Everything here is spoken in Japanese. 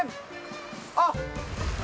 あっ。